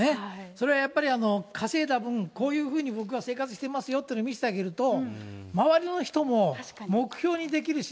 そりゃやっぱり、稼いだ分、こういうふうにぼくは生活してますよというのを見せてあげると、周りの人も目標にできるし、